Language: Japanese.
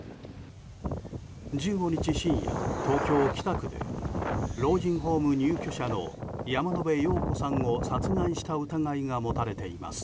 １５日深夜、東京・北区で老人ホーム入居者の山野辺陽子さんを殺害した疑いが持たれています。